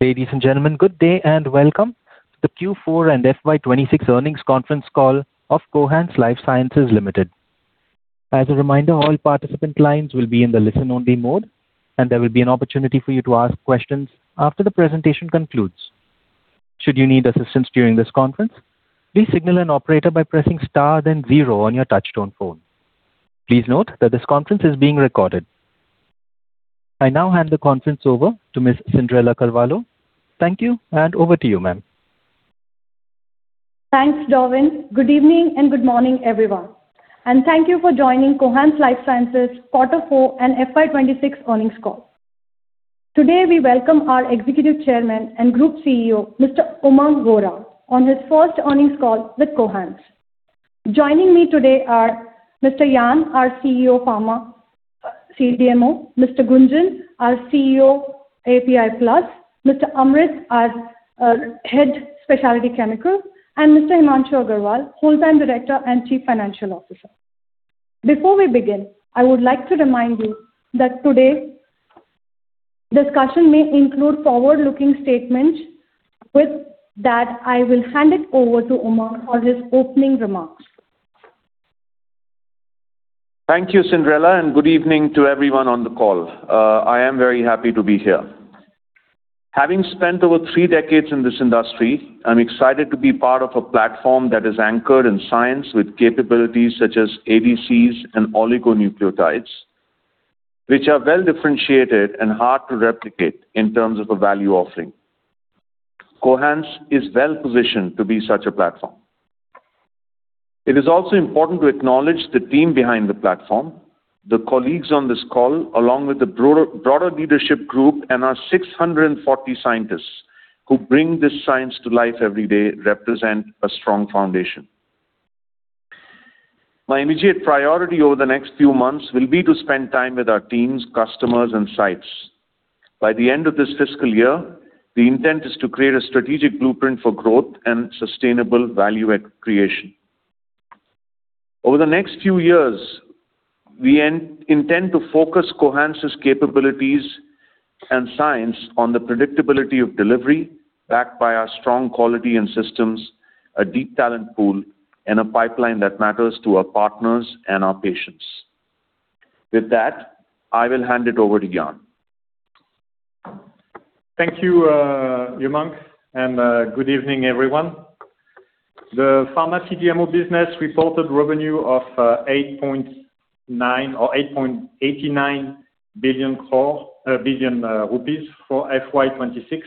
Ladies and gentlemen, good day and welcome to the Q4 and FY 2026 earnings conference call of Cohance Lifesciences Limited. As a reminder, all participant lines will be in the listen only mode, there will be an opportunity for you to ask questions after the presentation concludes. Should you need assistance during this conference, please signal an operator by pressing star 0 on your touchtone phone. Please note that this conference is being recorded. I now hand the conference over to Ms. Cyndrella Carvalho. Thank you, over to you, ma'am. Thanks, Darwin. Good evening and good morning, everyone. Thank you for joining Cohance Lifesciences quarter four and FY 2026 earnings call. Today, we welcome our Executive Chairman and Group CEO, Mr. Umang Vohra, on his first earnings call with Cohance. Joining me today are Mr. Yann, our CEO Pharma, CDMO, Mr. Gunjan, our CEO API Plus, Mr. Amrit, our Head, Specialty Chemical, and Mr. Himanshu Agarwal, Whole-time Director and Chief Financial Officer. Before we begin, I would like to remind you that today's discussion may include forward-looking statements. With that, I will hand it over to Umang for his opening remarks. Thank you, Cyndrella, and good evening to everyone on the call. I am very happy to be here. Having spent over three decades in this industry, I'm excited to be part of a platform that is anchored in science with capabilities such as ADCs and oligonucleotides, which are well-differentiated and hard to replicate in terms of a value offering. Cohance is well-positioned to be such a platform. It is also important to acknowledge the team behind the platform. The colleagues on this call, along with the broader leadership group and our 640 scientists who bring this science to life every day, represent a strong foundation. My immediate priority over the next few months will be to spend time with our teams, customers, and sites. By the end of this fiscal year, the intent is to create a strategic blueprint for growth and sustainable value add creation. Over the next few years, we intend to focus Cohance's capabilities and science on the predictability of delivery, backed by our strong quality and systems, a deep talent pool, and a pipeline that matters to our partners and our patients. With that, I will hand it over to Yann. Thank you, Umang, and good evening, everyone. The Pharma CDMO business reported revenue of 8.9 or 8.89 billion for FY 2026.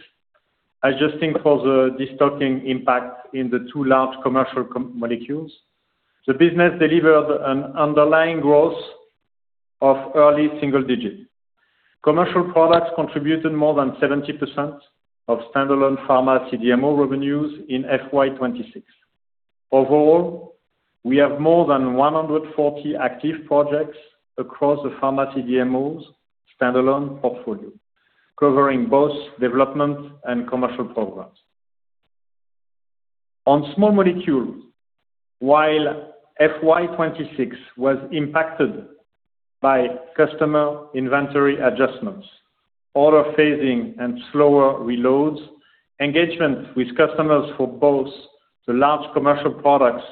Adjusting for the destocking impact in the two large commercial molecules, the business delivered an underlying growth of early single digits. Commercial products contributed more than 70% of standalone pharma CDMO revenues in FY 2026. Overall, we have more than 140 active projects across the pharma CDMO's standalone portfolio, covering both development and commercial programs. On small molecules, while FY 2026 was impacted by customer inventory adjustments, order phasing and slower reloads, engagement with customers for both the large commercial products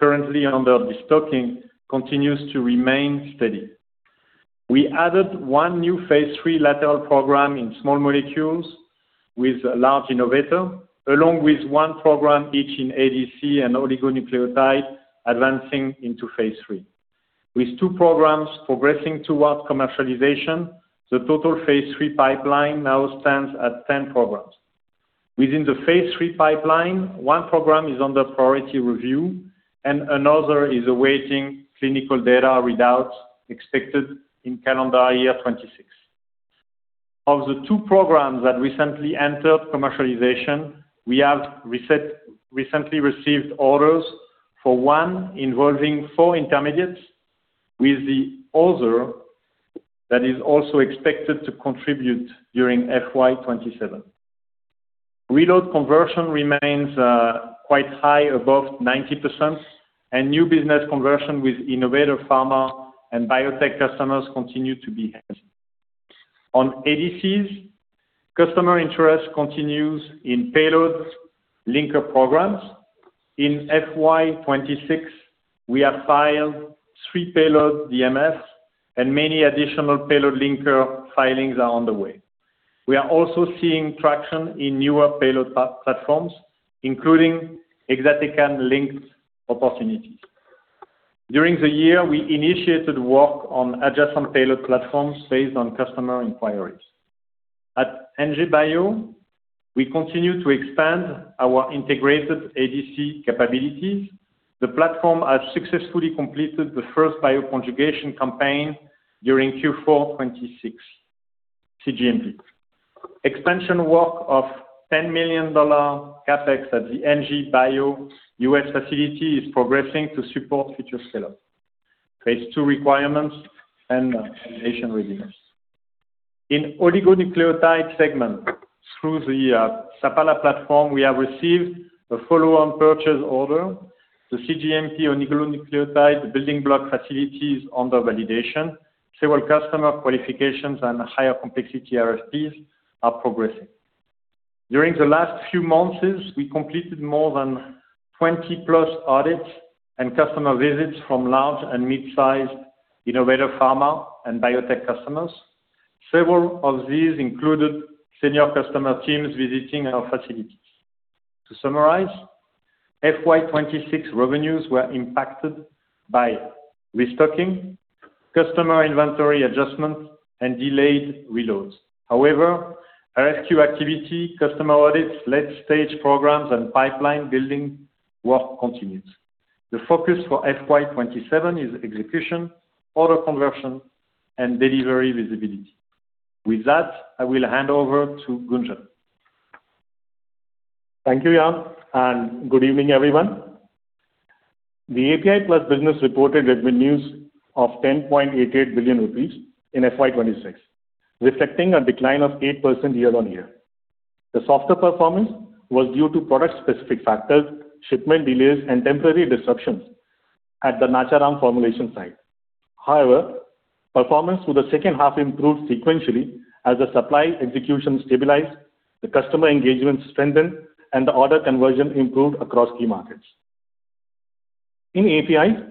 currently under destocking continues to remain steady. We added one new phase III lateral program in small molecules with a large innovator, along with 1 program each in ADC and oligonucleotide advancing into phase III. With two programs progressing towards commercialization, the total phase III pipeline now stands at 10 programs. Within the phase III pipeline, one program is under priority review and another is awaiting clinical data readouts expected in calendar year 2026. Of the two programs that recently entered commercialization, we recently received orders for one involving four intermediates with the other that is also expected to contribute during FY 2027. Reload conversion remains quite high, above 90%, and new business conversion with innovator pharma and biotech customers continue to be high. On ADCs, customer interest continues in payload linker programs. In FY 2026, we have filed three payload DMFs, and many additional payload linker filings are on the way. We are also seeing traction in newer payload platforms, including exatecan-linked opportunities. During the year, we initiated work on adjacent payload platforms based on customer inquiries. At NJ Bio, we continue to expand our integrated ADC capabilities. The platform has successfully completed the first bioconjugation campaign during Q4 2026 cGMP. Expansion work of $10 million CapEx at the NJ Bio U.S. facility is progressing to support future scale-up, phase II requirements, and validation readings. In oligonucleotide segment, through the Sapala platform, we have received a follow-on purchase order. The cGMP oligonucleotide building block facility is under validation. Several customer qualifications and higher complexity RFPs are progressing. During the last few months, we completed more than 20-plus audits and customer visits from large and mid-sized innovator pharma and biotech customers. Several of these included senior customer teams visiting our facilities. To summarize, FY 2026 revenues were impacted by restocking, customer inventory adjustments, and delayed reloads. However, RFQ activity, customer audits, late-stage programs, and pipeline building work continues. The focus for FY 2027 is execution, order conversion, and delivery visibility. With that, I will hand over to Gunjan. Thank you, Yann, and good evening, everyone. The API Plus business reported revenues of 10.88 billion rupees in FY 2026, reflecting a decline of 8% year-over-year. The softer performance was due to product-specific factors, shipment delays, and temporary disruptions at the Nacharam formulation site. However, performance through the second half improved sequentially as the supply execution stabilized, the customer engagement strengthened, and the order conversion improved across key markets. In APIs,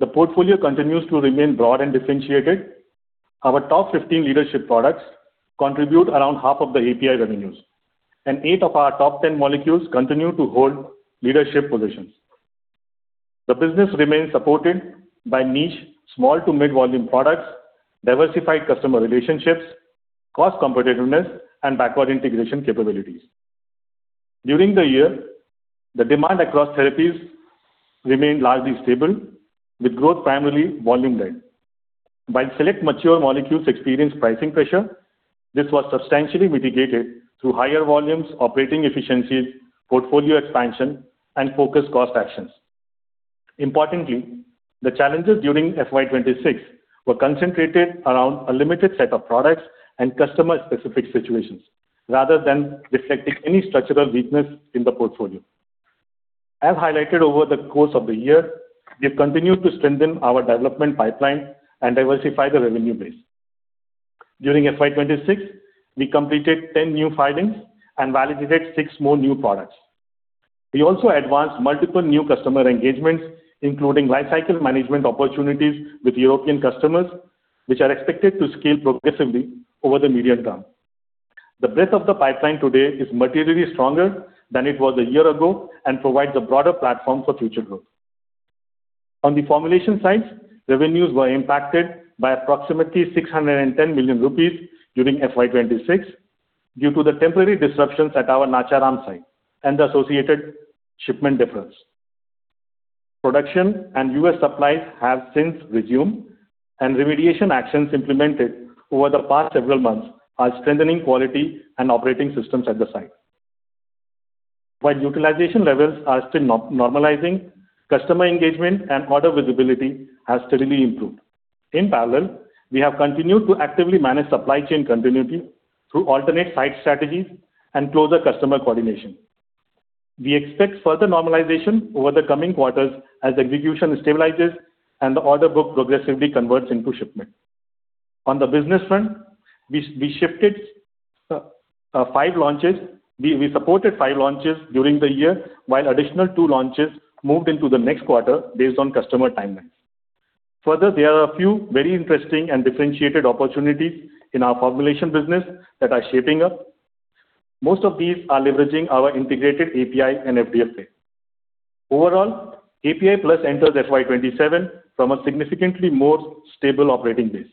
the portfolio continues to remain broad and differentiated. Our top 15 leadership products contribute around half of the API revenues, and eight of our top 10 molecules continue to hold leadership positions. The business remains supported by niche small to mid-volume products, diversified customer relationships, cost competitiveness, and backward integration capabilities. During the year, the demand across therapies remained largely stable, with growth primarily volume-led. While select mature molecules experienced pricing pressure, this was substantially mitigated through higher volumes, operating efficiencies, portfolio expansion, and focused cost actions. Importantly, the challenges during FY 2026 were concentrated around a limited set of products and customer-specific situations rather than reflecting any structural weakness in the portfolio. As highlighted over the course of the year, we have continued to strengthen our development pipeline and diversify the revenue base. During FY 2026, we completed 10 new filings and validated six more new products. We also advanced multiple new customer engagements, including lifecycle management opportunities with European customers, which are expected to scale progressively over the medium term. The breadth of the pipeline today is materially stronger than it was a year ago and provides a broader platform for future growth. On the formulation side, revenues were impacted by approximately 610 million rupees during FY 2026 due to the temporary disruptions at our Nacharam site and the associated shipment deferrals. Production and U.S. supplies have since resumed, and remediation actions implemented over the past several months are strengthening quality and operating systems at the site. Utilization levels are still normalizing, customer engagement and order visibility have steadily improved. In parallel, we have continued to actively manage supply chain continuity through alternate site strategies and closer customer coordination. We expect further normalization over the coming quarters as execution stabilizes and the order book progressively converts into shipment. On the business front, we supported five launches during the year. Additional two launches moved into the next quarter based on customer timelines. Further, there are a few very interesting and differentiated opportunities in our formulation business that are shaping up. Most of these are leveraging our integrated API and FDF. Overall, API Plus enters FY 2027 from a significantly more stable operating base.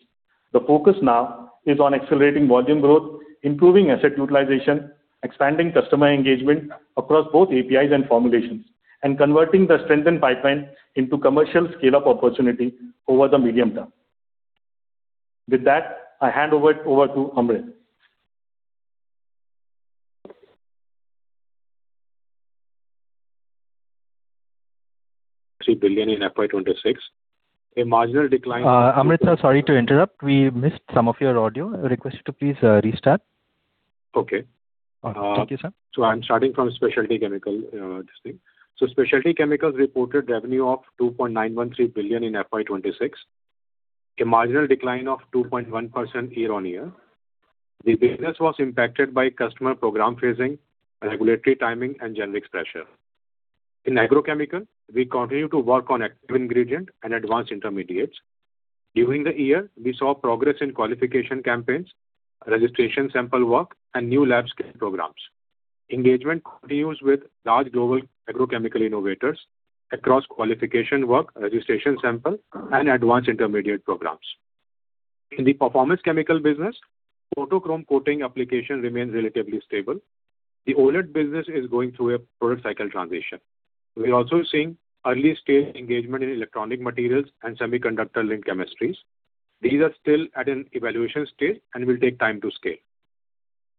The focus now is on accelerating volume growth, improving asset utilization, expanding customer engagement across both APIs and formulations, and converting the strengthened pipeline into commercial scale-up opportunity over the medium term. With that, I hand over it over to Amrit. 3 billion in FY 2026, a marginal decline- Amrit, sir, sorry to interrupt. We missed some of your audio. A request to please restart. Okay. Thank you, sir. I'm starting from Spec Chem, this thing. Spec Chem reported revenue of 2.913 billion in FY 2026, a marginal decline of 2.1% year-on-year. The business was impacted by customer program phasing, regulatory timing, and generics pressure. In agrochemical, we continue to work on active ingredient and advanced intermediates. During the year, we saw progress in qualification campaigns, registration sample work, and new lab scale programs. Engagement continues with large global agrochemical innovators across qualification work, registration sample, and advanced intermediate programs. In the performance chemical business, photochromic coating application remains relatively stable. The OLED business is going through a product cycle transition. We're also seeing early-stage engagement in electronic materials and semiconductor-linked chemistries. These are still at an evaluation stage and will take time to scale.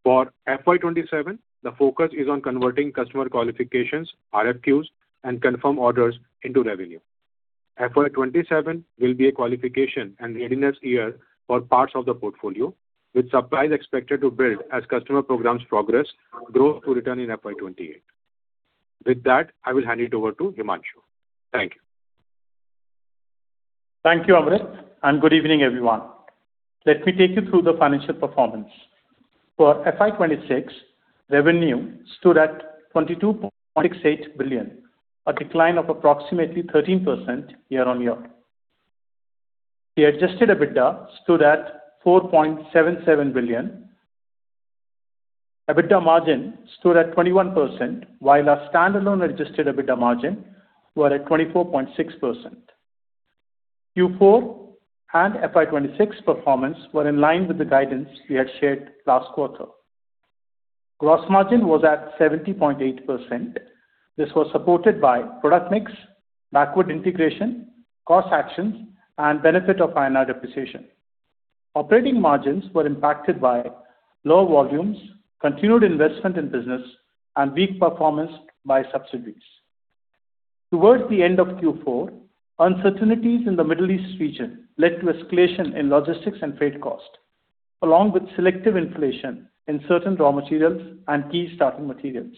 For FY 2027, the focus is on converting customer qualifications, RFQs, and confirmed orders into revenue. FY 2027 will be a qualification and readiness year for parts of the portfolio, with supplies expected to build as customer programs progress growth to return in FY 2028. With that, I will hand it over to Himanshu. Thank you. Thank you, Amrit, good evening, everyone. Let me take you through the financial performance. For FY 2026, revenue stood at 22.68 billion, a decline of approximately 13% year-over-year. The adjusted EBITDA stood at 4.77 billion. EBITDA margin stood at 21%, while our standalone adjusted EBITDA margin were at 24.6%. Q4 and FY 2026 performance were in line with the guidance we had shared last quarter. Gross margin was at 70.8%. This was supported by product mix, backward integration, cost actions, and benefit of INR depreciation. Operating margins were impacted by lower volumes, continued investment in business, and weak performance by subsidiaries. Towards the end of Q4, uncertainties in the Middle East region led to escalation in logistics and freight cost, along with selective inflation in certain raw materials and key starting materials.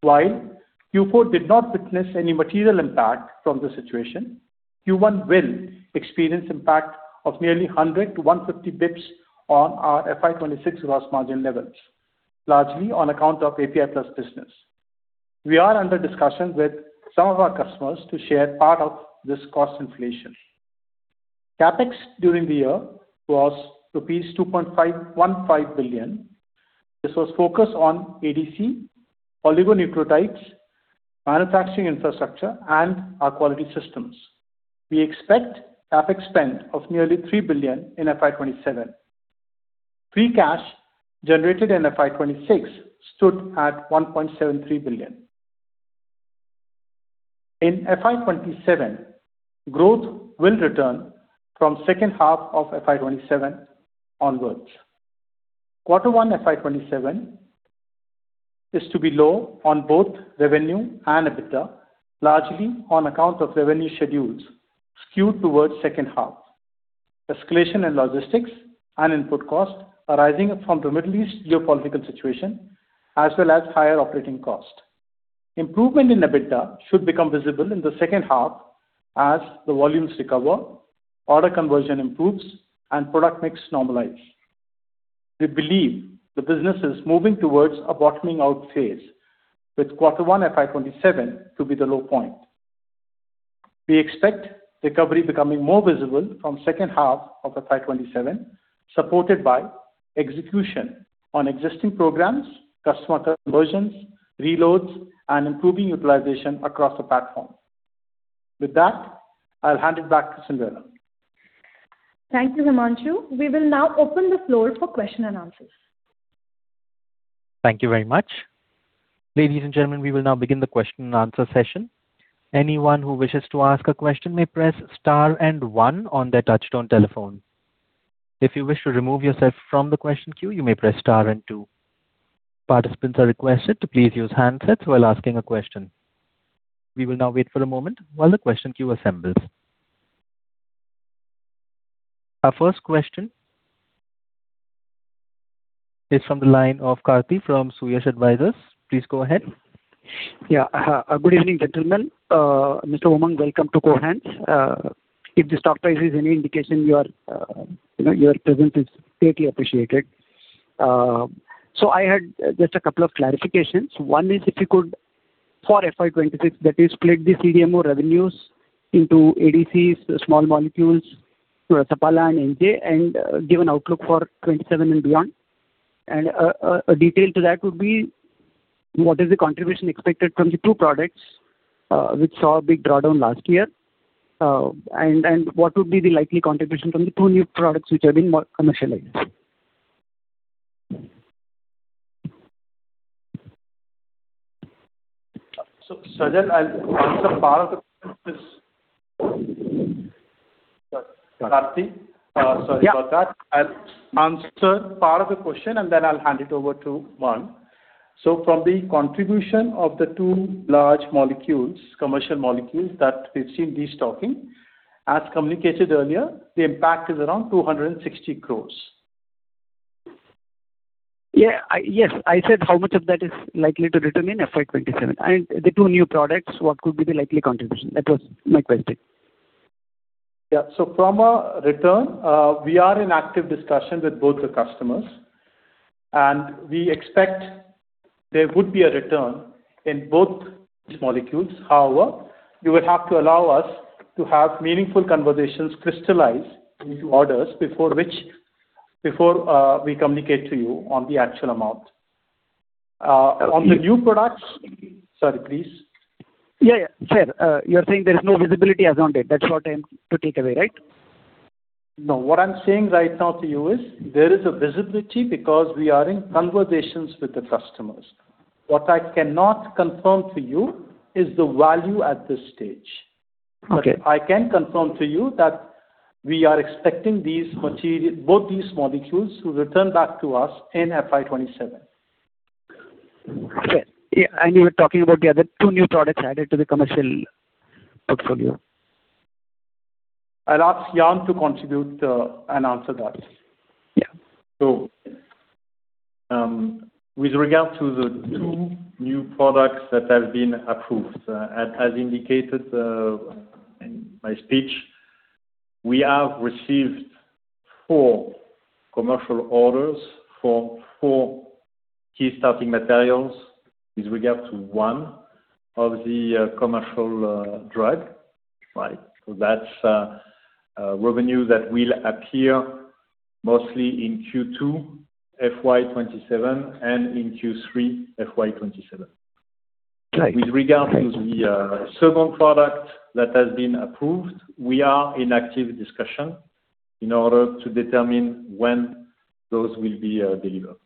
While Q4 did not witness any material impact from the situation, Q1 will experience impact of nearly 100 to 150 basis points on our FY 2026 gross margin levels, largely on account of API Plus business. We are under discussion with some of our customers to share part of this cost inflation. CapEx during the year was rupees 2.515 billion. This was focused on ADC, oligonucleotides, manufacturing infrastructure, and our quality systems. We expect CapEx spend of nearly 3 billion in FY 2027. Free cash generated in FY 2026 stood at INR 1.73 billion. In FY 2027, growth will return from second half of FY 2027 onwards. Quarter one FY 2027 is to be low on both revenue and EBITDA, largely on account of revenue schedules skewed towards second half. Escalation in logistics and input costs arising from the Middle East geopolitical situation, as well as higher operating costs. Improvement in EBITDA should become visible in the 2nd half as the volumes recover, order conversion improves, and product mix normalizes. We believe the business is moving towards a bottoming out phase, with Q1 FY 2027 to be the low point. We expect recovery becoming more visible from 2nd half of FY 2027, supported by execution on existing programs, customer conversions, reloads, and improving utilization across the platform. With that, I'll hand it back to Cyndrella Carvalho. Thank you, Himanshu. We will now open the floor for question and answers. Thank you very much. Ladies and gentlemen, we will now begin the question and answer session. Participants are requested to please use handsets while asking a question. We will now wait for a moment while the question queue assembles. Our first question is from the line of Karthi from Suyash Advisors. Please go ahead. Good evening, gentlemen. Mr. Umang, welcome to Cohance. If the stock price is any indication, your, you know, your presence is greatly appreciated. I had just a couple of clarifications. One is if you could, for FY 2026, that is split the CDMO revenues into ADCs, small molecules, Sapala and NJ Bio, and give an outlook for 2027 and beyond. A detail to that would be what is the contribution expected from the two products, which saw a big drawdown last year? What would be the likely contribution from the two new products which have been commercialized? I'll answer part of the question. Karthi, sorry about that. Yeah. I'll answer part of the question, and then I'll hand it over to Umang. From the contribution of the two large molecules, commercial molecules that we've seen destocking, as communicated earlier, the impact is around 260 crores. Yeah. Yes, I said how much of that is likely to return in FY 2027? The two new products, what could be the likely contribution? That was my question. Yeah. From a return, we are in active discussion with both the customers, and we expect there would be a return in both these molecules. However, you will have to allow us to have meaningful conversations crystallize into orders before we communicate to you on the actual amount. On the new products. Sorry, please. Yeah, yeah. Sure. You're saying there is no visibility as on date. That's what I'm to take away, right? No. What I'm saying right now to you is there is a visibility because we are in conversations with the customers. What I cannot confirm to you is the value at this stage. Okay. I can confirm to you that we are expecting both these molecules to return back to us in FY 2027. Okay. Yeah, you were talking about the other two new products added to the commercial portfolio. I'll ask Yann to contribute, and answer that. Yeah. With regard to the two new products that have been approved, as indicated in my speech, we have received four commercial orders for four key starting materials with regard to one of the commercial drug. That's revenue that will appear mostly in Q2 FY 2027 and in Q3 FY 2027. Great. With regard to the second product that has been approved, we are in active discussion in order to determine when those will be delivered.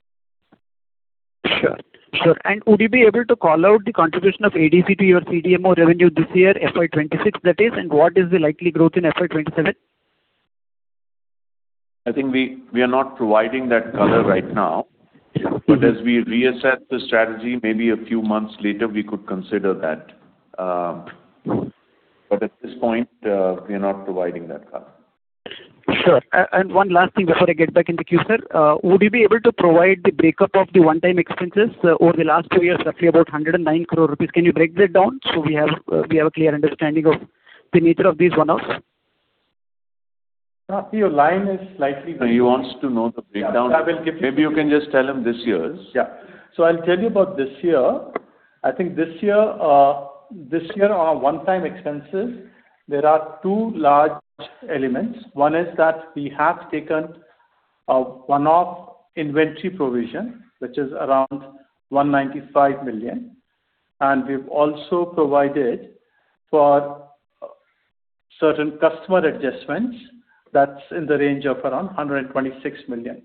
Sure. Would you be able to call out the contribution of ADC to your CDMO revenue this year, FY 2026 that is, and what is the likely growth in FY 2027? I think we are not providing that color right now. As we reassess the strategy, maybe a few months later we could consider that. At this point, we are not providing that color. Sure. One last thing before I get back in the queue, sir. Would you be able to provide the breakup of the one-time expenses over the last two years, roughly about 109 crore rupees? Can you break that down so we have a clear understanding of the nature of these one-offs? Karthi, your line is slightly- No, he wants to know the breakdown. Yeah, I will give you- Maybe you can just tell him this year's. I'll tell you about this year. I think this year, this year our one-time expenses, there are two large elements. One is that we have taken a one-off inventory provision, which is around 195 million, and we've also provided for certain customer adjustments that's in the range of around 126 million.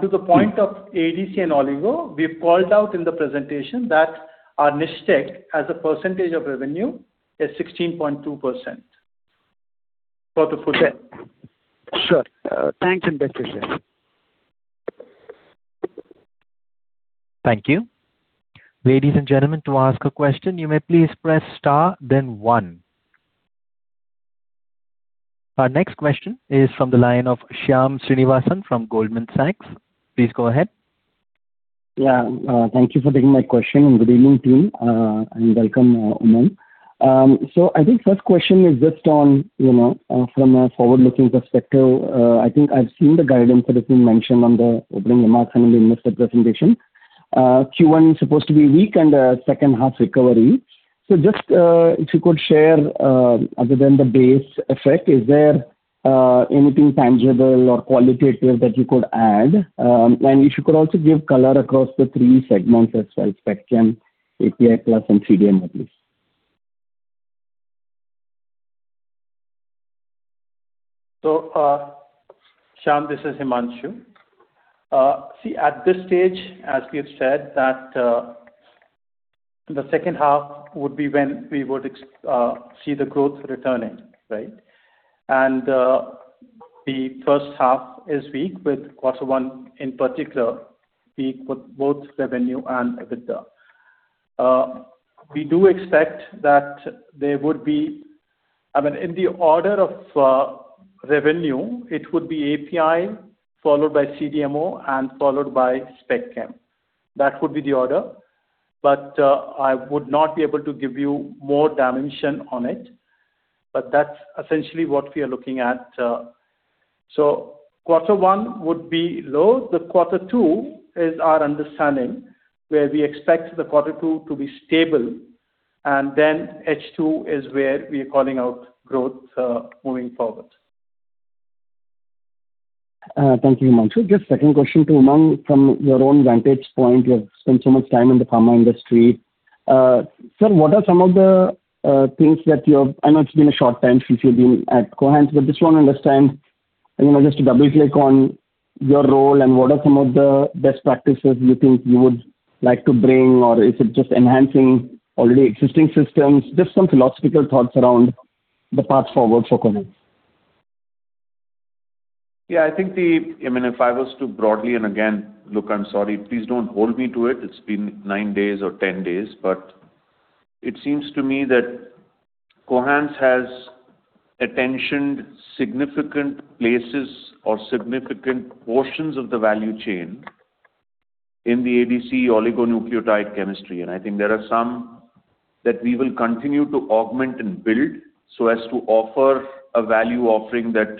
To the point of ADC and Oligo, we've called out in the presentation that our niche technology as a percentage of revenue is 16.2% for the project. Sure. Thanks and best wishes. Thank you. Ladies and gentlemen, to ask a question, you may please press star then one. Our next question is from the line of Shyam Srinivasan from Goldman Sachs. Please go ahead. Yeah. Thank you for taking my question, and good evening team, and welcome, Umang. I think first question is just on, you know, from a forward-looking perspective, I think I've seen the guidance that has been mentioned on the opening remarks and in the investor presentation. Q1 is supposed to be weak and second half recovery. Just, if you could share, other than the base effect, is there anything tangible or qualitative that you could add? If you could also give color across the three segments as well, Spec Chem, API Plus, and CDMO, please. Shyam Srinivasan, this is Himanshu Agarwal. See, at this stage, as we've said that, the second half would be when we would see the growth returning. The first half is weak with Q1 in particular weak with both revenue and EBITDA. We do expect that there would be in the order of revenue, it would be API, followed by CDMO, followed by Spec Chem. That would be the order. I would not be able to give you more dimension on it, that's essentially what we are looking at. Q1 would be low, Q2 is our understanding, where we expect the Q2 to be stable, H2 is where we are calling out growth moving forward. Thank you, Himanshu. Just second question to Umang. From your own vantage point, you have spent so much time in the pharma industry. Sir, what are some of the things that you have I know it's been a short time since you've been at Cohance, but just want to understand, you know, just to double-click on your role and what are some of the best practices you think you would like to bring, or is it just enhancing already existing systems? Just some philosophical thoughts around the path forward for Cohance. Yeah, I think the I mean, if I was to broadly, and again, look, I am sorry, please don't hold me to it's been 9 days or 10 days. It seems to me that Cohance has attentioned significant places or significant portions of the value chain in the ADC oligonucleotide chemistry. I think there are some that we will continue to augment and build so as to offer a value offering that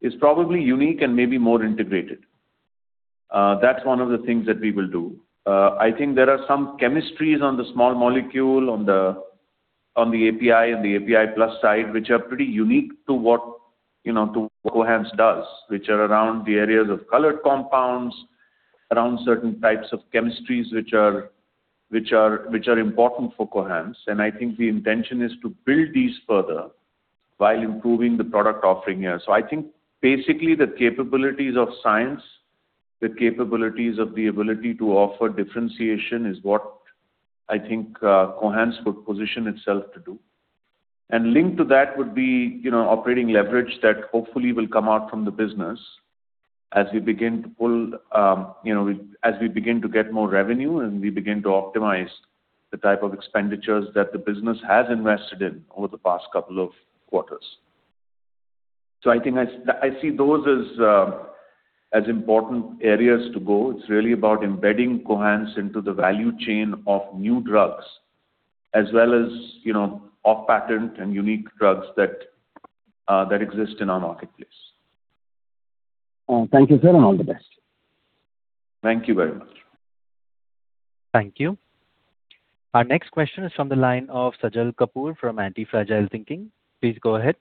is probably unique and maybe more integrated. That's 1 of the things that we will do. I think there are some chemistries on the small molecule, on the API and the API Plus side, which are pretty unique to what, you know, to what Cohance does, which are around the areas of colored compounds, around certain types of chemistries which are important for Cohance. I think the intention is to build these further while improving the product offering here. I think basically the capabilities of science, the capabilities of the ability to offer differentiation is what I think Cohance would position itself to do. Linked to that would be, you know, operating leverage that hopefully will come out from the business as we begin to pull, you know, as we begin to get more revenue and we begin to optimize the type of expenditures that the business has invested in over the past couple of quarters. I think I see those as important areas to go. It's really about embedding Cohance into the value chain of new drugs as well as, you know, off-patent and unique drugs that exist in our marketplace. Thank you, sir, and all the best. Thank you very much. Thank you. Our next question is from the line of Sajal Kapoor from Antifragile Thinking. Please go ahead.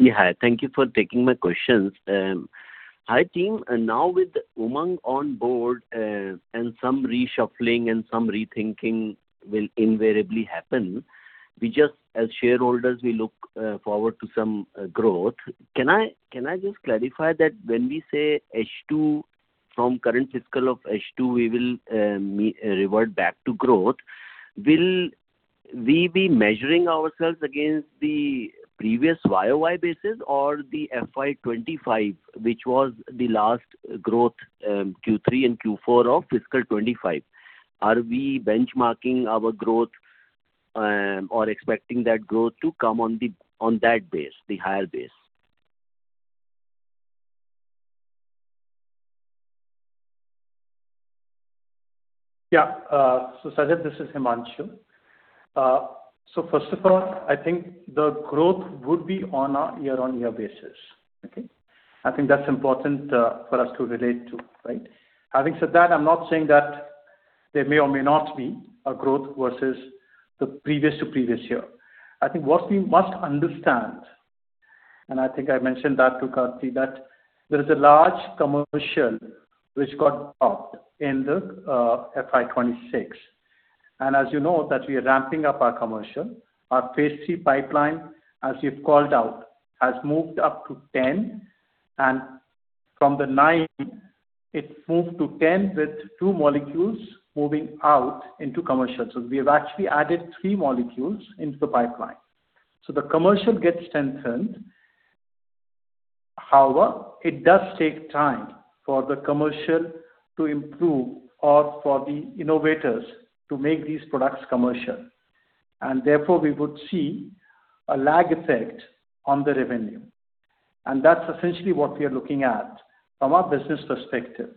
Yeah. Thank you for taking my questions. Hi, team. Now with Umang on board, and some reshuffling and some rethinking will invariably happen, we just, as shareholders, we look forward to some growth. Can I just clarify that when we say H2 from current fiscal of H2, we will revert back to growth, will we be measuring ourselves against the previous year-over-year basis or the FY 2025, which was the last growth, Q3 and Q4 of fiscal 2025? Are we benchmarking our growth or expecting that growth to come on that base, the higher base? Sajal, this is Himanshu Agarwal. First of all, I think the growth would be on a year-on-year basis. Okay. I think that's important for us to relate to. Having said that, I'm not saying that there may or may not be a growth versus the previous to previous year. I think what we must understand, and I think I mentioned that to Karthi, that there is a large commercial which got bought in the FY 2026. As you know that we are ramping up our commercial. Our phase III pipeline, as you've called out, has moved up to 10 and from the nine it moved to 10 with two molecules moving out into commercial. We have actually added three molecules into the pipeline. The commercial gets strengthened. However, it does take time for the commercial to improve or for the innovators to make these products commercial, and therefore we would see a lag effect on the revenue. That's essentially what we are looking at from a business perspective.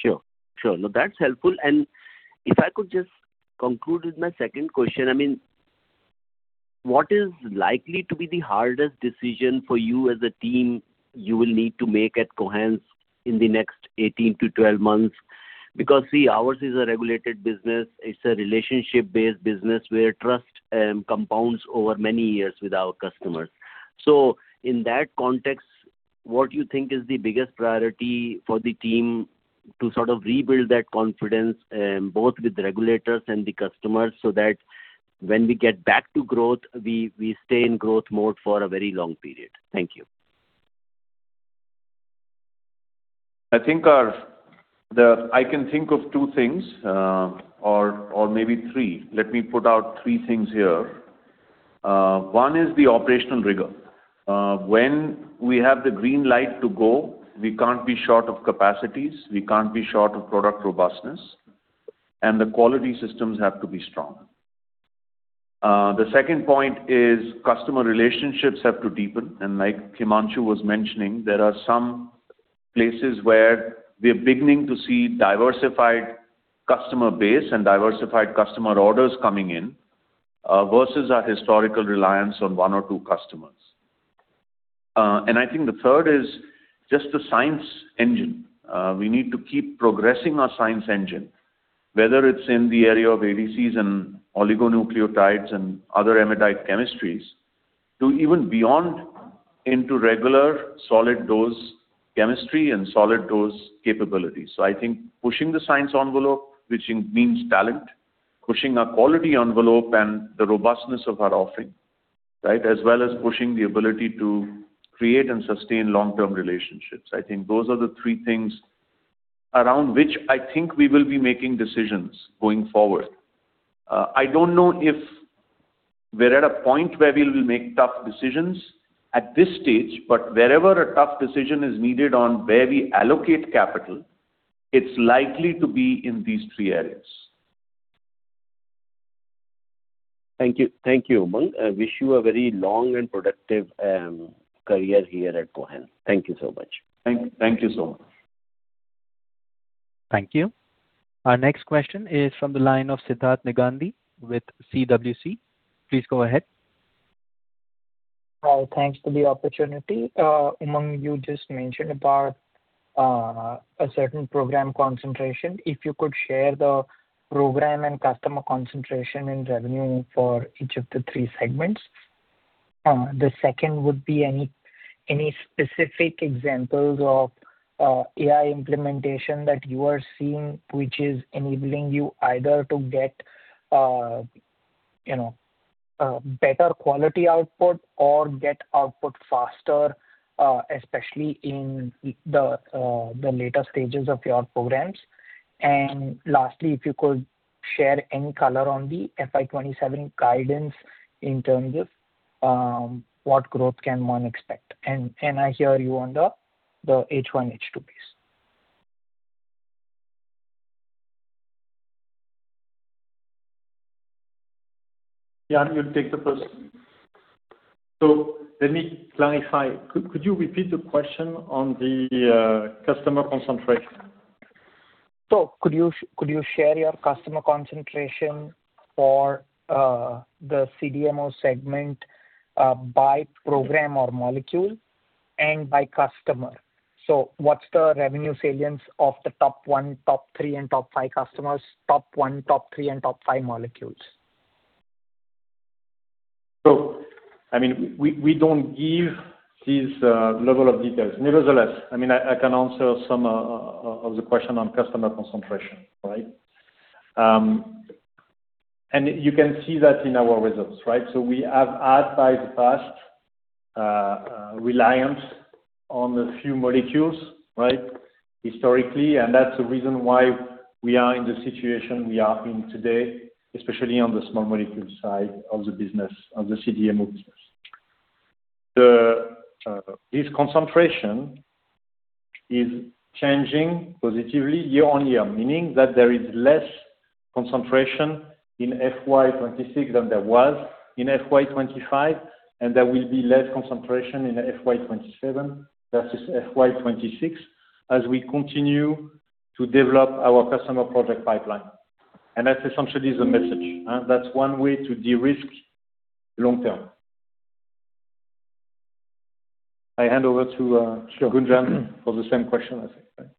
Sure. Sure. No, that's helpful. If I could just conclude with my second question. I mean, what is likely to be the hardest decision for you as a team you will need to make at Cohance in the next 18 to 12 months? Because, see, ours is a regulated business. It's a relationship-based business where trust compounds over many years with our customers. In that context, what you think is the biggest priority for the team to sort of rebuild that confidence both with the regulators and the customers, so that when we get back to growth, we stay in growth mode for a very long period? Thank you. I think our I can think of two things, or maybe three. Let me put out three things here. One is the operational rigor. When we have the green light to go, we can't be short of capacities, we can't be short of product robustness, and the quality systems have to be strong. The second point is customer relationships have to deepen. Like Himanshu was mentioning, there are some places where we're beginning to see diversified customer base and diversified customer orders coming in, versus our historical reliance on one or two customers. I think the third is just the science engine. We need to keep progressing our science engine, whether it's in the area of ADCs and oligonucleotides and other amidite chemistries to even beyond into regular solid dose chemistry and solid dose capabilities. I think pushing the science envelope, which means talent, pushing our quality envelope and the robustness of our offering. As well as pushing the ability to create and sustain long-term relationships. Those are the three things around which I think we will be making decisions going forward. I don't know if we're at a point where we will make tough decisions at this stage, but wherever a tough decision is needed on where we allocate capital, it's likely to be in these three areas. Thank you. Thank you, Umang. I wish you a very long and productive career here at Cohance. Thank you so much. Thank you, Sajal. Thank you. Our next question is from the line of Siddharth Diggandi with CWC. Please go ahead. Hi. Thanks for the opportunity. Umang, you just mentioned about a certain program concentration. If you could share the program and customer concentration in revenue for each of the three segments. The second would be any specific examples of AI implementation that you are seeing which is enabling you either to get, you know, better quality output or get output faster, especially in the later stages of your programs. Lastly, if you could share any color on the FY 2027 guidance in terms of, what growth can one expect? I hear you on the H1, H2 piece. Yann, you take the first. Let me clarify. Could you repeat the question on the customer concentration? Could you share your customer concentration for the CDMO segment by program or molecule and by customer? What's the revenue salience of the top one, top three and top five customers? Top one, top three and top five molecules. I mean, we don't give these level of details. Nevertheless, I mean, I can answer some of the question on customer concentration, all right? You can see that in our results, right? We have had by the past reliance on a few molecules, right? Historically, that's the reason why we are in the situation we are in today, especially on the small molecule side of the business, of the CDMO business. This concentration is changing positively year on year, meaning that there is less concentration in FY 2026 than there was in FY 2025, and there will be less concentration in FY 2027 versus FY 2026 as we continue to develop our customer project pipeline. That essentially is the message, huh? That's one way to de-risk long term. I hand over to. Sure. Gunjan for the same question, I think.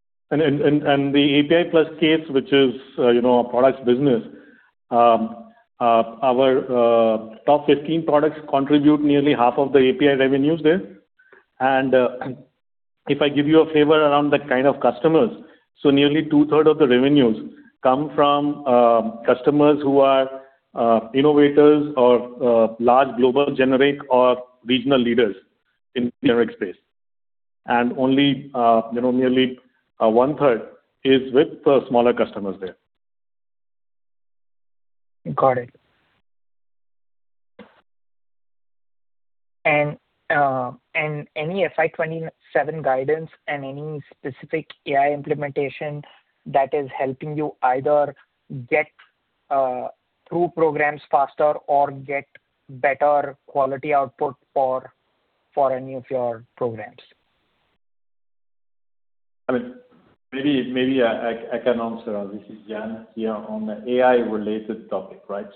The API Plus case, which is, you know, our products business, our top 15 products contribute nearly half of the API revenues there. If I give you a flavor around the kind of customers, nearly 2/3 of the revenues come from customers who are innovators or large global generic or regional leaders in generic space. Only, you know, nearly 1/3 is with the smaller customers there. Got it. Any FY 2027 guidance and any specific AI implementation that is helping you either get through programs faster or get better quality output for any of your programs? I mean, maybe I can answer. This is Yann here on the AI related topic, right?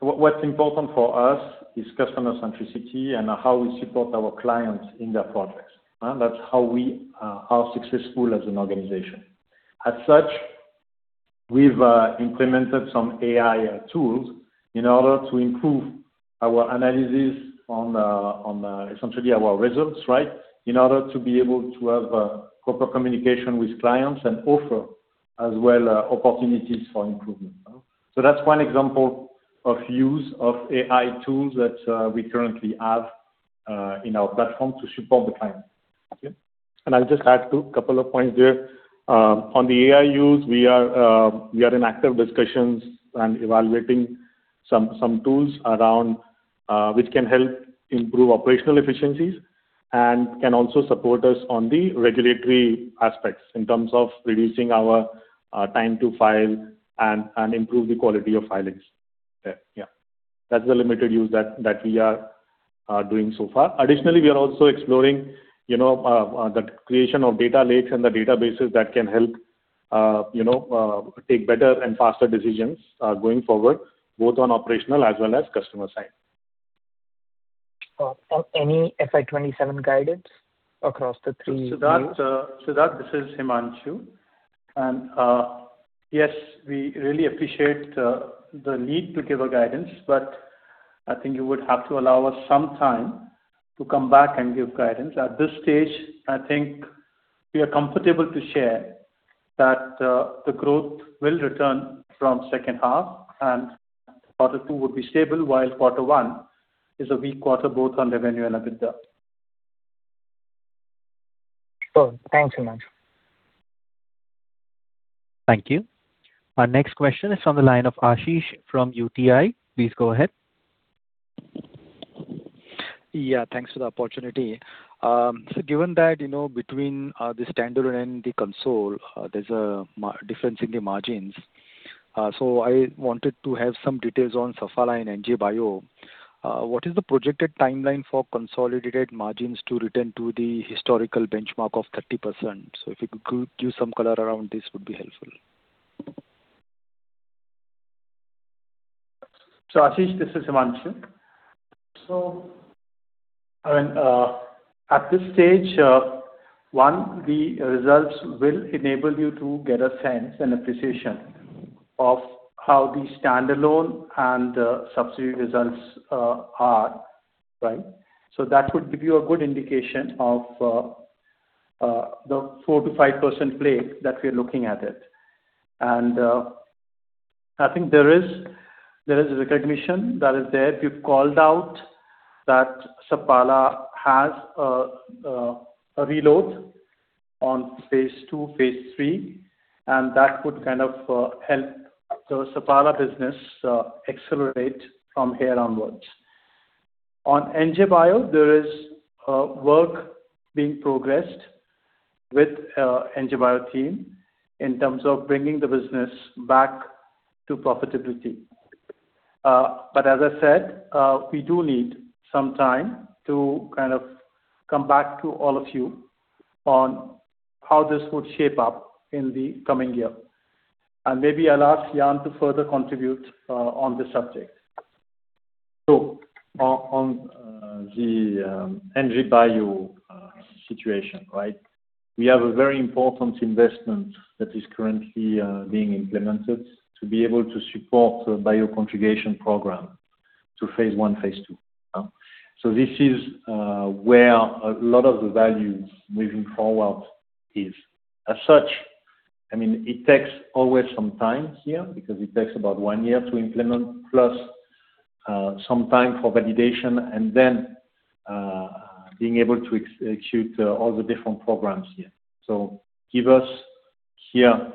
What's important for us is customer centricity and how we support our clients in their projects, huh? That's how we are successful as an organization. As such, we've implemented some AI tools in order to improve our analysis on essentially our results, right? In order to be able to have proper communication with clients and offer as well opportunities for improvement. That's one example of use of AI tools that we currently have in our platform to support the client. Okay. I'll just add two couple of points there. On the AI use, we are in active discussions and evaluating some tools around which can help improve operational efficiencies and can also support us on the regulatory aspects in terms of reducing our time to file and improve the quality of filings. Yeah. Yeah. That's the limited use that we are doing so far. Additionally, we are also exploring, you know, the creation of data lakes and the databases that can help, you know, take better and faster decisions going forward, both on operational as well as customer side. Any FY 2027 guidance across the three views? That, so that this is Himanshu. Yes, we really appreciate the need to give a guidance, but I think you would have to allow us some time to come back and give guidance. At this stage, I think we are comfortable to share that, the growth will return from second half and quarter two will be stable while quarter one is a weak quarter both on revenue and EBITDA. Cool. Thanks, Himanshu. Thank you. Our next question is from the line of Ashish from UTI. Please go ahead. Yeah, thanks for the opportunity. Given that, you know, between the standalone and the consolidated, there's a difference in the margins. I wanted to have some details on Sapala and NJ Bio. What is the projected timeline for consolidated margins to return to the historical benchmark of 30%? If you could give some color around this would be helpful. Ashish, this is Himanshu. I mean, at this stage, 1, the results will enable you to get a sense and appreciation of how the standalone and the subsidiary results are, right? That would give you a good indication of the 4%-5% play that we are looking at it. I think there is a recognition that is there. We've called out that Sapala has a reload on phase II, phase III, and that would kind of help the Sapala business accelerate from here onwards. On NJ Bio, there is work being progressed with NJ Bio team in terms of bringing the business back to profitability. As I said, we do need some time to kind of come back to all of you on how this would shape up in the coming year. Maybe I'll ask Yann to further contribute on the subject. On the NJ Bio situation, right? We have a very important investment that is currently being implemented to be able to support the bioconjugation program to phase I, phase II. This is where a lot of the value moving forward is. As such, I mean, it takes always some time here because it takes about one year to implement, plus some time for validation and then being able to execute all the different programs here. Give us here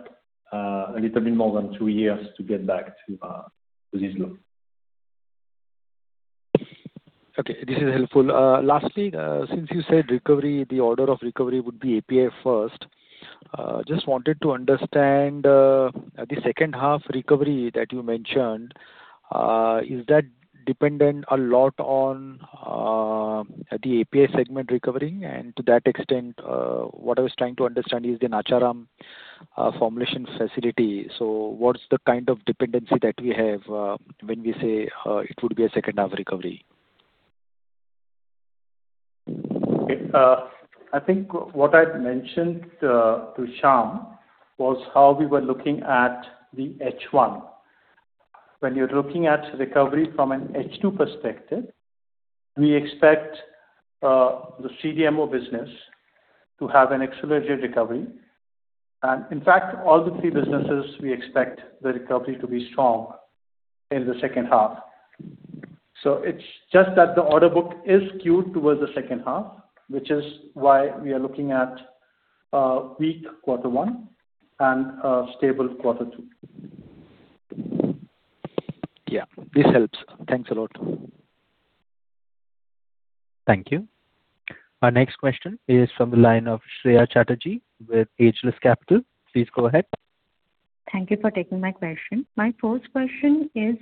a little bit more than two years to get back to this level. Okay, this is helpful. Lastly, since you said recovery, the order of recovery would be API first. Just wanted to understand, the second half recovery that you mentioned, is that dependent a lot on the API segment recovery? To that extent, what I was trying to understand is in Nacharam, formulation facility. What's the kind of dependency that we have, when we say, it would be a second half recovery? I think what I'd mentioned to Shyam was how we were looking at the H1. When you're looking at recovery from an H2 perspective, we expect the CDMO business to have an accelerated recovery. In fact, all the three businesses we expect the recovery to be strong in the second half. It's just that the order book is skewed towards the second half, which is why we are looking at a weak quarter one and a stable quarter two. Yeah, this helps. Thanks a lot. Thank you. Our next question is from the line of Shreya Chatterjee with Ageless Capital. Please go ahead. Thank you for taking my question. My first question is,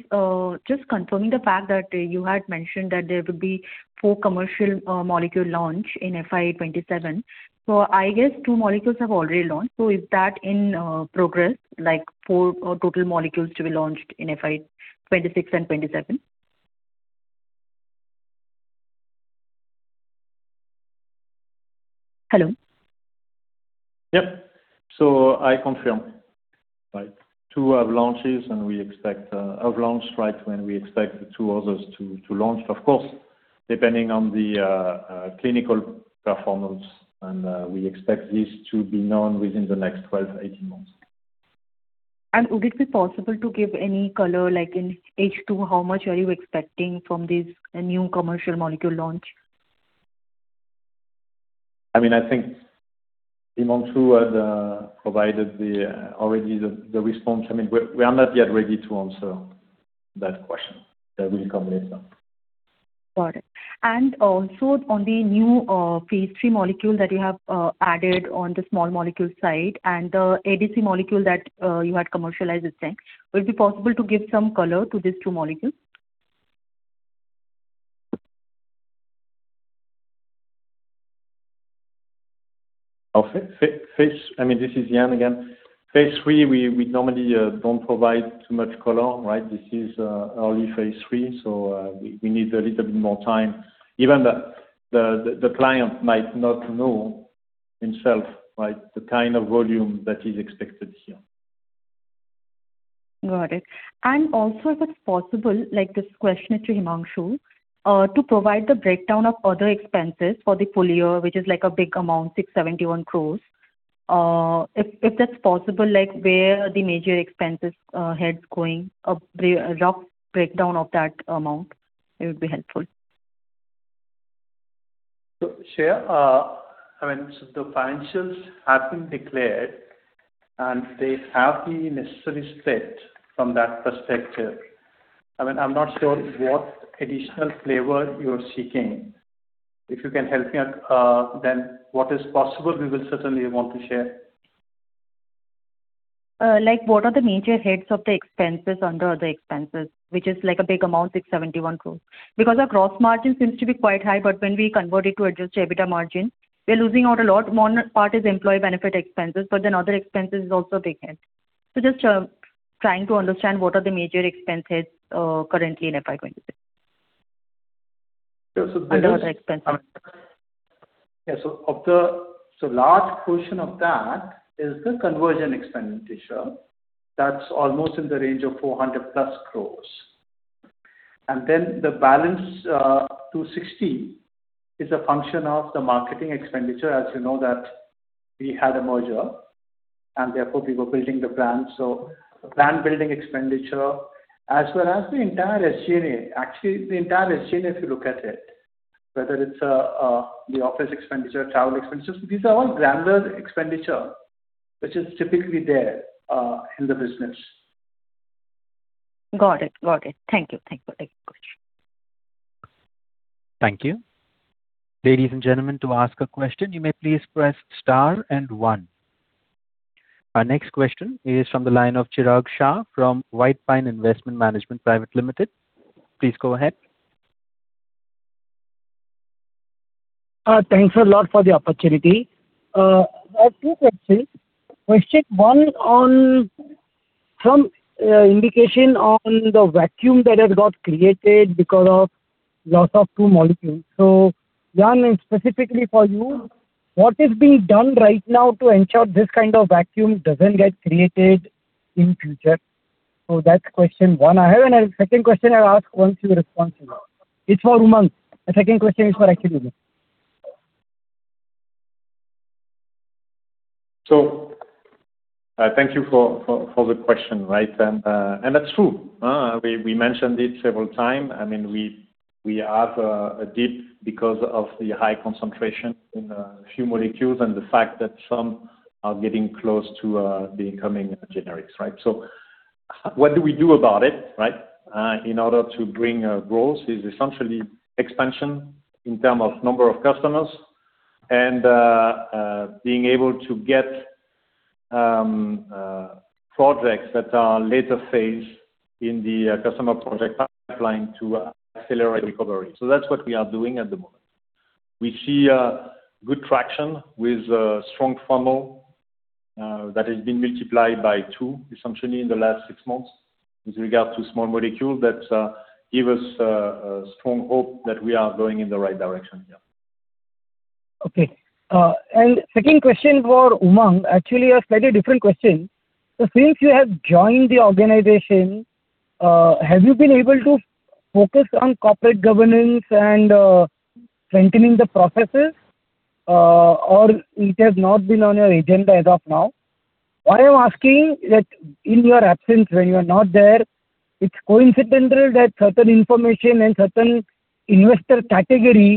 just confirming the fact that you had mentioned that there would be four commercial molecule launch in FY 2027. I guess two molecules have already launched. Is that in progress, like four or total molecules to be launched in FY 2026 and 2027? Hello? Yep. I confirm. Like, two have launches, and we expect have launched, right? When we expect the two others to launch, of course, depending on the clinical performance. We expect this to be known within the next 12-18 months. Would it be possible to give any color, like in H2, how much are you expecting from this new commercial molecule launch? I mean, I think Himanshu has provided the response. I mean, we are not yet ready to answer that question. That will come later. Got it. On the new phase III molecule that you have added on the small molecule side and the ADC molecule that you had commercialized with Sanq, will it be possible to give some color to these two molecules? I mean, this is Yann again. Phase III, we normally don't provide too much color, right? This is early phase III, we need a little bit more time. Even the client might not know himself, right, the kind of volume that is expected here. Got it. Also, if it's possible, like this question is to Himanshu, to provide the breakdown of other expenses for the full year, which is like a big amount, 671 crores. If that's possible, like where the major expenses, heads going, a rough breakdown of that amount, it would be helpful. Shreya, I mean, the financials have been declared, and they have the necessary split from that perspective. I mean, I'm not sure what additional flavor you're seeking. If you can help me, then what is possible, we will certainly want to share. What are the major heads of the expenses under other expenses, which is like a big amount, 671 crores? Our gross margin seems to be quite high, but when we convert it to adjusted EBITDA margin, we're losing out a lot. One part is employee benefit expenses, other expenses is also big head. Just trying to understand what are the major expenses currently in FY 2026. Yeah. Under other expenses. Yeah. Of the large portion of that is the conversion expenditure. That's almost in the range of 400 plus crores. The balance, 260 is a function of the marketing expenditure. As you know that we had a merger and therefore we were building the brand. Brand building expenditure, as well as the entire SG&A. Actually, the entire SG&A, if you look at it, whether it's the office expenditure, travel expenses, these are all granular expenditure which is typically there in the business. Got it. Thank you very much. Thank you. Ladies and gentlemen, to ask a question, you may please press star and 1. Our next question is from the line of Chirag Shah from White Pine Investment Management Private Limited. Please go ahead. Thanks a lot for the opportunity. I have two questions. Question 1 on some indication on the vacuum that has got created because of loss of two molecules. Yann, specifically for you, what is being done right now to ensure this kind of vacuum doesn't get created in future? That's question 1 I have. A second question I'll ask once you respond to me. It's for Umang. The second question is for actually Umang. Thank you for the question, right? That's true. We mentioned it several time. I mean, we have a dip because of the high concentration in a few molecules and the fact that some are getting close to becoming generics, right? What do we do about it, right, in order to bring growth is essentially expansion in term of number of customers and being able to get projects that are later phase in the customer project pipeline to accelerate recovery. That's what we are doing at the moment. We see good traction with a strong funnel that has been multiplied by two essentially in the last six months with regard to small molecule that give us a strong hope that we are going in the right direction, yeah. Okay. Second question for Umang, actually a slightly different question. Since you have joined the organization, have you been able to focus on corporate governance and strengthening the processes, or it has not been on your agenda as of now? Why I'm asking that in your absence when you are not there, it's coincidental that certain information and certain investor category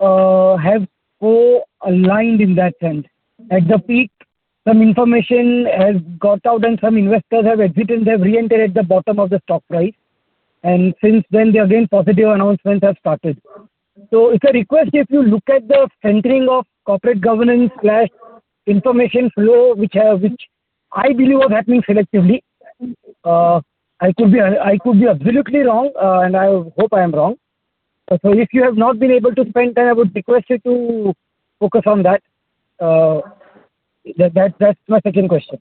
have so aligned in that sense. At the peak, some information has got out and some investors have exited, they've reentered at the bottom of the stock price. Since then, they again, positive announcements have started. It's a request, if you look at the centering of corporate governance/information flow, which I believe was happening selectively. I could be absolutely wrong, and I hope I am wrong. If you have not been able to spend time, I would request you to focus on that. That's my second question.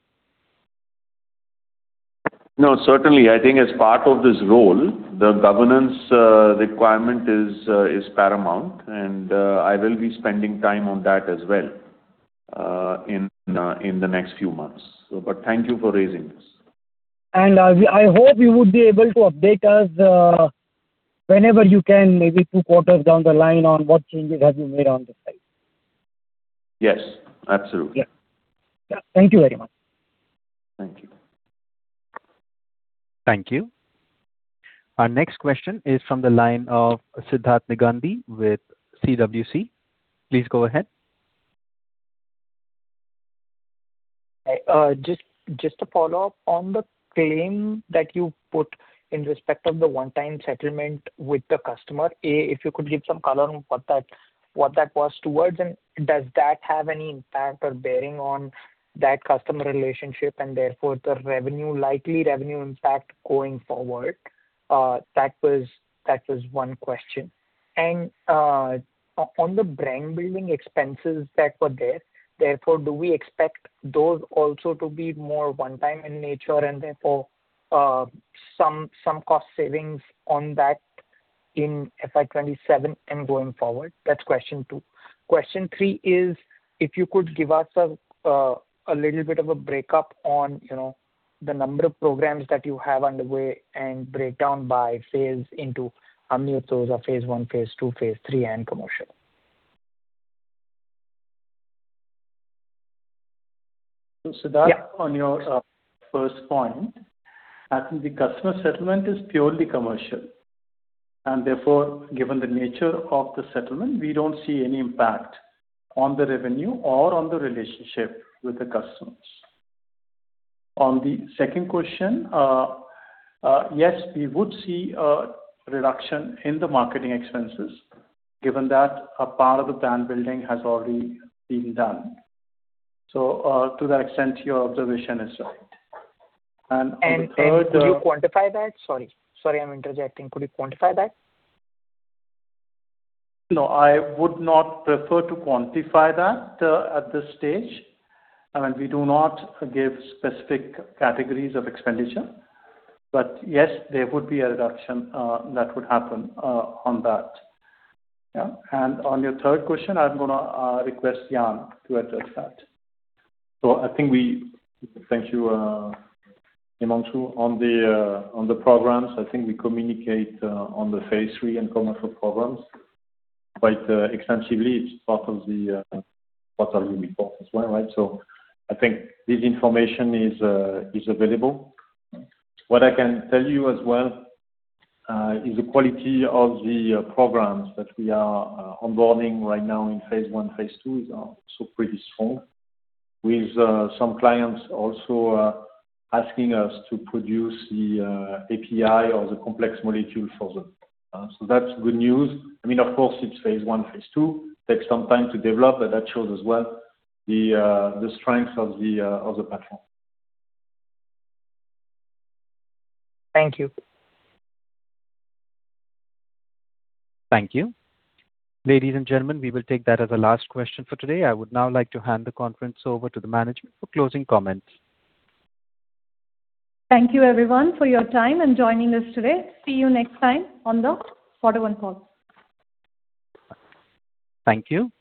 No, certainly. I think as part of this role, the governance requirement is paramount, and I will be spending time on that as well in the next few months. Thank you for raising this. I hope you would be able to update us, whenever you can, maybe two quarters down the line on what changes have been made on the site. Yes, absolutely. Yeah. Yeah. Thank you very much. Thank you. Thank you. Our next question is from the line of Siddharth Diggandi with CWC. Please go ahead. Hi. Just to follow up on the claim that you put in respect of the one-time settlement with the customer. If you could give some color on what that was towards, and does that have any impact or bearing on that customer relationship and therefore the revenue, likely revenue impact going forward? That was one question. On the brand building expenses that were there, therefore, do we expect those also to be more one-time in nature and therefore, some cost savings on that in FY 2027 and going forward? That's question two. Question three is if you could give us a little bit of a breakup on, you know, the number of programs that you have underway and breakdown by phase into how many of those are phase I, phase II, phase III, and commercial? Siddharth. Yeah. On your first point, I think the customer settlement is purely commercial. Therefore, given the nature of the settlement, we don't see any impact on the revenue or on the relationship with the customers. On the second question, yes, we would see a reduction in the marketing expenses given that a part of the brand building has already been done. To that extent, your observation is right. Could you quantify that? Sorry, I'm interjecting. Could you quantify that? No, I would not prefer to quantify that, at this stage. I mean, we do not give specific categories of expenditure. Yes, there would be a reduction, that would happen, on that. Yeah. On your third question, I'm gonna request Yann to address that. Thank you, Himanshu. On the programs, I think we communicate on the phase III and commercial programs quite extensively. It's part of the quarterly report as well, right? I think this information is available. What I can tell you as well is the quality of the programs that we are onboarding right now in phase I, phase II is also pretty strong, with some clients also asking us to produce the API or the complex molecule for them. That's good news. I mean of course, it's phase I, phase II. Takes some time to develop, but that shows as well the strength of the platform. Thank you. Thank you. Ladies and gentlemen, we will take that as the last question for today. I would now like to hand the conference over to the management for closing comments. Thank you, everyone, for your time and joining us today. See you next time on the quarter one call. Thank you.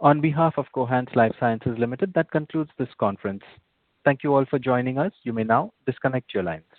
On behalf of Cohance Lifesciences Limited, that concludes this conference. Thank you all for joining us. You may now disconnect your line.